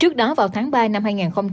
trước đó vào tháng ba năm hai nghìn hai mươi